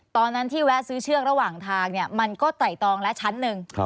ตอนนั้นที่แวะซื้อเชือกระหว่างทางมันก็ไต่ตองละชั้นหนึ่ง